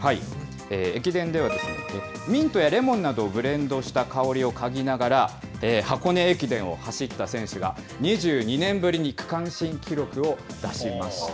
駅伝では、ミントやレモンなどをブレンドした香りを嗅ぎながら、箱根駅伝を走った選手が、２２年ぶりに区間新記録を出しました。